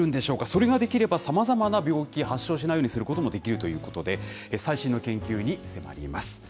それができれば、さまざまな病気、発症しないようにすることもできるということで、最新の研究に迫ります。